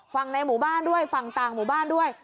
ในหมู่บ้านด้วยฝั่งต่างหมู่บ้านด้วย